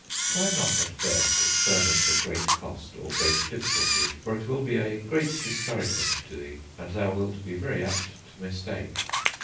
"Try not at first experiments of great cost, or great difficulty; for it will be a great discouragement to thee, and thou wilt be very apt to mistake.